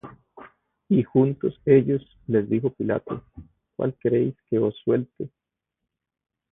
Y juntos ellos, les dijo Pilato; ¿Cuál queréis que os suelte?